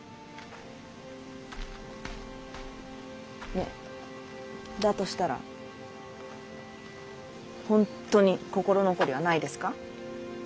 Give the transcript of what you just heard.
ねえだとしたらホントに心残りはないですか？